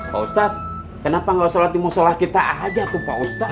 pak ustadz kenapa nggak usah latih mushollah kita aja pak ustadz